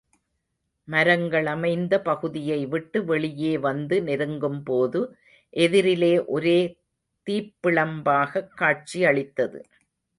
மரங்களமைந்த பகுதியைவிட்டு வெளியே வந்து நெருங்கும்போது, எதிரிலே ஒரே தீப்பிழம்பாகக் காட்சியளித்தது.